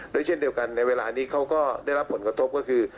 เช่นเดียวกันในเวลานี้เขาก็ได้รับผลกระทบก็คือ